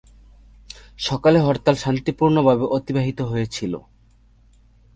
সকালে হরতাল শান্তিপূর্ণ ভাবে অতিবাহিত হয়েছিল।